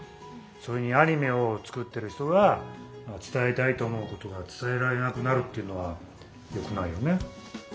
それにアニメを作ってる人がつたえたいと思うことがつたえられなくなるっていうのはよくないよね。